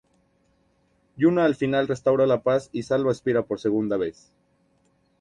Yuna al final restaura la paz y salva a Spira por segunda vez.